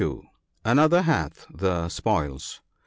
Another hath the spoils.